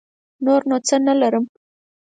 نور نو څه نه لرم.